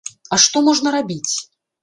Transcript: А што можна рабіць?!